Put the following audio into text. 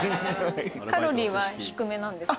カロリーは低めなんですか？